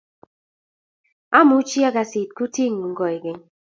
Amuchi akasit kutingung koikeny